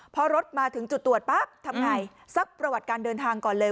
พอรถมาถึงจุดตรวจปั๊บทำไงซักประวัติการเดินทางก่อนเลย